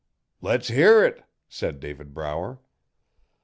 'Le's hear it,' said David Brower.